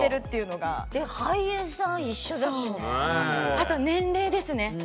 あと年齢ですね。